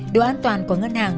điều an toàn của ngân hàng